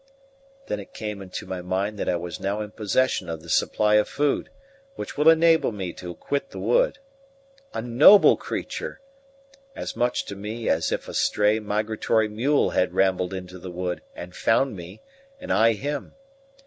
Then it came into my mind that I was now in possession of the supply of food which would enable me to quit the wood. A noble capture! As much to me as if a stray, migratory mule had rambled into the wood and found me, and I him.